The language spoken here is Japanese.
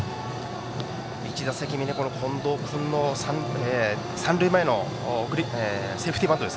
１打席目の近藤君の三塁前へのセーフティーバント。